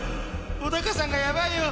小高さんがやばいよ。